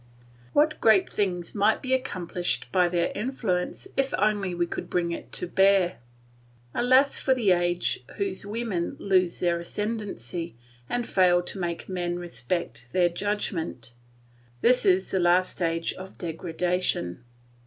What great things might be accomplished by their influence if only we could bring it to bear! Alas for the age whose women lose their ascendancy, and fail to make men respect their judgment! This is the last stage of degradation.